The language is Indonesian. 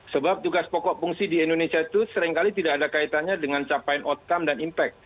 sebab tugas pokok fungsi di indonesia itu seringkali tidak ada kaitannya dengan capaian outcome dan impact